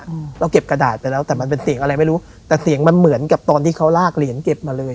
เราเก็บกระดาษไปแล้วแต่มันเป็นเสียงอะไรไม่รู้แต่เสียงมันเหมือนกับตอนที่เขาลากเหรียญเก็บมาเลย